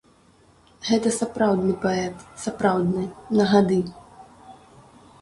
Гэта сапраўдны паэт, сапраўдны, на гады.